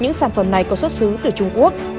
những sản phẩm này có xuất xứ từ trung quốc